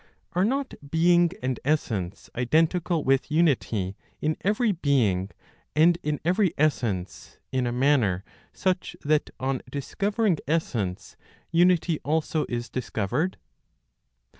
Are not being and essence identical with unity, in every being and in every essence, in a manner such that on discovering essence, unity also is discovered?